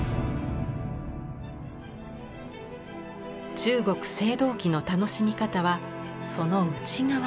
中国青銅器の楽しみ方はその内側にも。